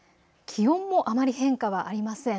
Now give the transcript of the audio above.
気温もあまり変化はありません。